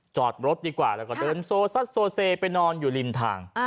จอดรถดีกว่าแล้วก็เดินโซซัดโซเซไปนอนอยู่ริมทาง